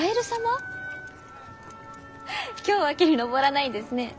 今日は木に登らないんですね。